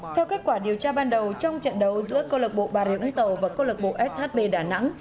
theo kết quả điều tra ban đầu trong trận đấu giữa công an tp hà nội và công an tp shb đà nẵng